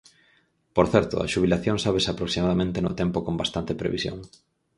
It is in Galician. Por certo, a xubilación sábese aproximadamente no tempo con bastante previsión.